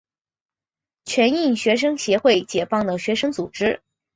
全印学生协会解放的学生组织。